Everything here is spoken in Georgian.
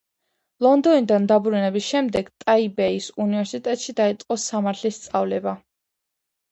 ლონდონიდან დაბრუნების შემდეგ ტაიბეის უნივერსიტეტში დაიწყო სამართლის სწავლება.